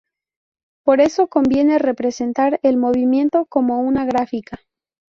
Por eso conviene representar el movimiento como una gráfica.